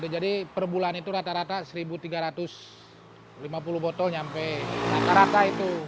jadi perbulan itu rata rata satu tiga ratus lima puluh botol sampai rata rata itu